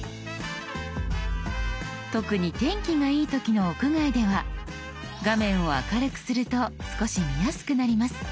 特に天気がいい時の屋外では画面を明るくすると少し見やすくなります。